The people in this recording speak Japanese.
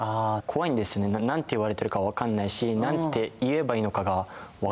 怖いんですよね何て言われているか分かんないし何て言えばいいのかが分からないから。